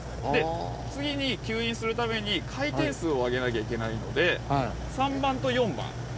次に吸引するために回転数を上げなきゃいけないので３番と４番。